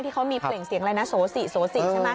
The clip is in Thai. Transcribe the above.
ที่เขามีเปลี่ยงเสียงอะไรนะโสสิโสสิ